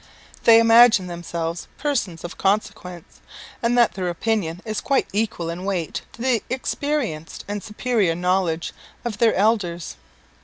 They imagine themselves persons of consequence, and that their opinion is quite equal in weight to the experience and superior knowledge of their elders.